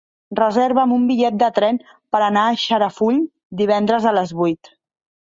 Reserva'm un bitllet de tren per anar a Xarafull divendres a les vuit.